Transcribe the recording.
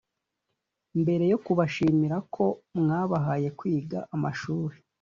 mbere yo kubashimira ko mwabahaye kwiga amashuri